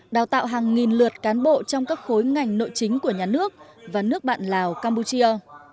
đào tạo hàng nghìn lượt cán bộ trong các khối ngành nội chính của nhà nước và nước bạn lào campuchia